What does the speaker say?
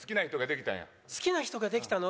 好きな人ができたの？